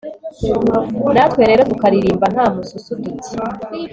natwe rero tukaririmba nta mususu tuti